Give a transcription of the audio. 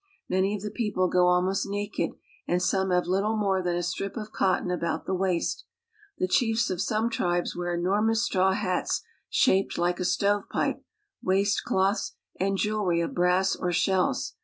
K Many of the people go almost naked, and some have Buttle more than a strip of cotton about the waist. The H chiefs of some tribes wear enormous straw hats shaped ^ntke a stovepipe, waist cloths, and jewelry of brass ori ^nhells.